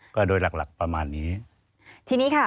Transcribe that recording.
ก็โดยหลักประมาณนี้